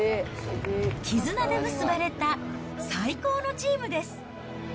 絆で結ばれた最高のチームです。